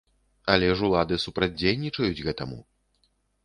Але ж улады супрацьдзейнічаюць гэтаму.